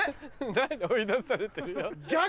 何か追い出されてるよ。